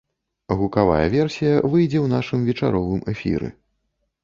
Гукавая версія выйдзе ў нашым вечаровым эфіры.